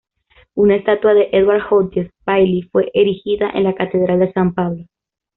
Una estatua de Edward Hodges Baily fue erigida en la Catedral de San Pablo.